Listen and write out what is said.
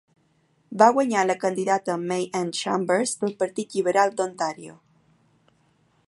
Va guanyar la candidata May Anne Chambers del Partit Lliberal d'Ontario.